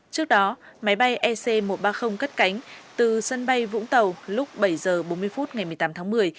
trước đó máy bay ec một trăm ba mươi cất cánh từ sân bay vũng tàu lúc bảy h bốn mươi phút ngày một mươi tám tháng một mươi